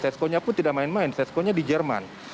females juniornya pun tidak main main ses urkartz generated jer man